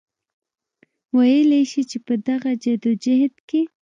وئيلی شي چې پۀ دغه جدوجهد کې